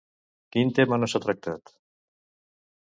Quin tema no s'ha tractat?